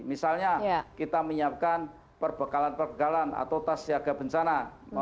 misalnya kita menyiapkan perbekalan perkegalan atau tas siaga bencana